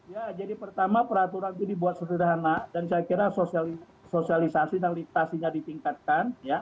ya jadi pertama peraturan itu dibuat sederhana dan saya kira sosialisasi dan literasinya ditingkatkan